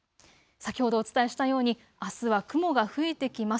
先ほどお伝えしたようにあすは雲が増えてきます。